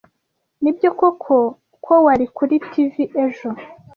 Nibyo koko ko wari kuri TV ejo?